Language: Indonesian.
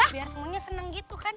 biar semuanya senang gitu kan